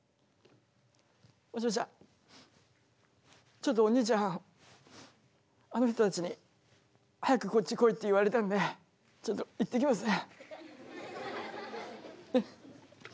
ちょっとおにいちゃんあの人たちに早くこっち来いって言われたんでちょっと行ってきますね。